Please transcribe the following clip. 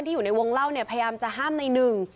อยู่ในวงเล่าเนี่ยพยายามจะห้ามในหนึ่ง